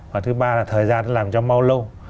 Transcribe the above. và thứ ba là thời gian làm cho mau lâu